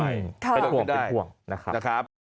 ไปลงไปได้